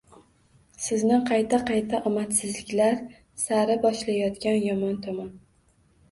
Sizni qayta-qayta omadsizliklar sari boshlayotgan yomon tomon.